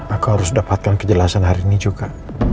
aku harus dapatkan kejelasan hari ini juga